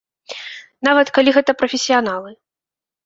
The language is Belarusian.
Нават, калі гэта прафесіяналы.